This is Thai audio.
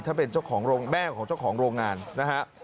ถ้าเป็นแม่ของเจ้าของโรงงานนะฮะ